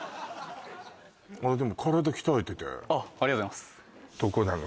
あれでも体鍛えててありがとうございますどこなの？